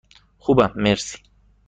خوبم، مرسی.